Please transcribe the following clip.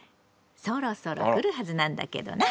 そろそろ来るはずなんだけどな。